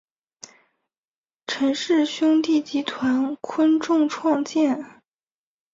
陈氏兄弟集团昆仲创建。